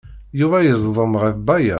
Yuba yeẓdem ɣef Baya.